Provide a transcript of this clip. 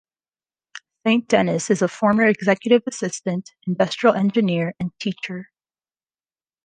Saint Denis is a former executive assistant, industrial engineer, and teacher.